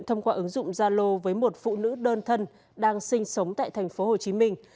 thông qua ứng dụng zalo với một phụ nữ đơn thân đang sinh sống tại thành phố hồ chí minh